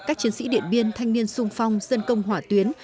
các chiến sĩ điện biên thanh niên sung phong dân công hỏa tuyến